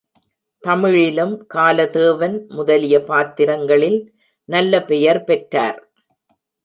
தமிழிலும் காலதேவன் முதலிய பாத்திரங்களில் நல்ல பெயர் பெற்றார்.